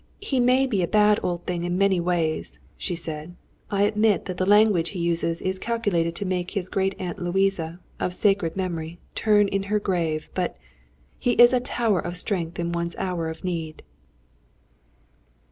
"He may be a bad old thing in many ways," she said; "I admit that the language he uses is calculated to make his great aunt Louisa, of sacred memory, turn in her grave! But he is a tower of strength in one's hour of need."